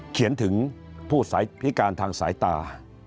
เขียนถึงผู้สายพิการทางสายตา